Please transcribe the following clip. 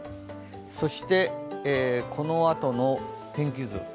そしてこのあとの天気図。